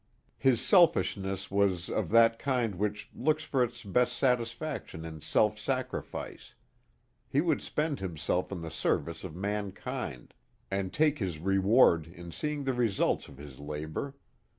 His selfishness was of that kind which looks for its best satisfaction in self sacrifice. He would spend himself in the service of mankind, and take his reward in seeing the results of his labor.